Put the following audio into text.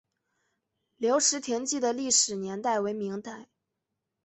留石亭记的历史年代为明代。